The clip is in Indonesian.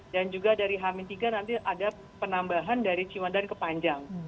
dan juga dari hamin tiga nanti ada penambahan dari ciwandan ke panjang